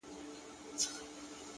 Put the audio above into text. زخمي ـ زخمي سترګي که زما وویني ـ